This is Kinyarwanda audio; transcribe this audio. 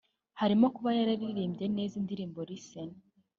harimo kuba yararirimbye neza indirimbo ‘Listen'